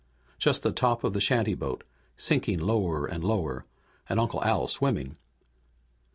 Just the top of the shantyboat, sinking lower and lower, and Uncle Al swimming.